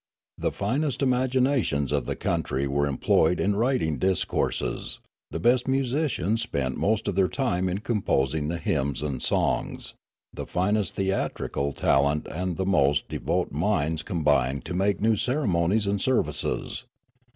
The finest imaginations of the country were employed in writing discourses; the best musicians spent most of their time in composing the hymns and songs ; the finest theatrical talent and the most devout minds 372 Riallaro combined to make new ceremonies and services.